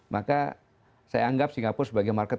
maka saya anggap singapura sebagai market